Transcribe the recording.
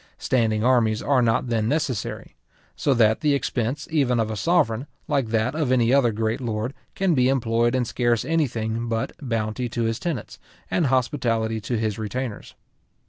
Standing armies are not then necessary; so that the expense, even of a sovereign, like that of any other great lord can be employed in scarce any thing but bounty to his tenants, and hospitality to his retainers.